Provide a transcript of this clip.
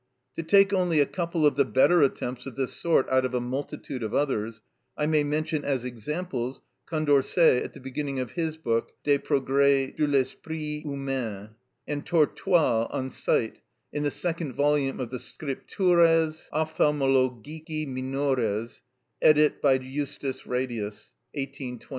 To take only a couple of the better attempts of this sort out of a multitude of others, I may mention as examples Condorcet at the beginning of his book, "Des Progrès de l'Esprit Humain," and Tourtual on Sight, in the second volume of the _"__Scriptures Ophthalmologici Minores,__"__ edidit Justus Radius_ (1828).